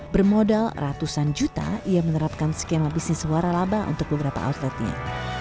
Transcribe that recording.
bermodal ratusan juta ia menerapkan skema bisnis waralaba untuk beberapa outletnya